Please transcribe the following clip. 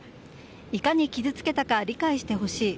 いかに傷つけたか理解してほしい。